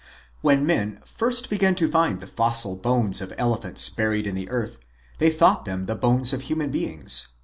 When men first began to find the fossil bones of elephants buried in the earth, they thought them the bones of human beings.